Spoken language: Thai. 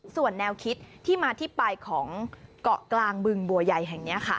ส่วนแนวคิดที่มาที่ปลายของเกาะกลางบึงบัวใหญ่แบบนี้